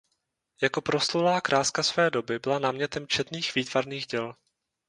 Jako proslulá kráska své doby byla námětem četných výtvarných děl.